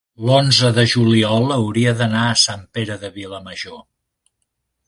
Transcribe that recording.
l'onze de juliol hauria d'anar a Sant Pere de Vilamajor.